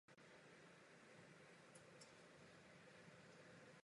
Ve svých jednadvaceti letech poprvé odjel do Spojených států amerických.